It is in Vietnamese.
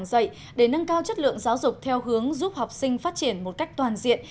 giảng dạy để nâng cao chất lượng giáo dục theo hướng giúp học sinh phát triển một cách toàn diện